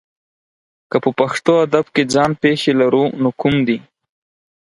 که په پښتو ادب کې ځان پېښې لرو نو کوم دي؟